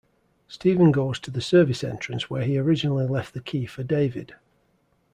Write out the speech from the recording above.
Steven goes to the service entrance where he originally left the key for David.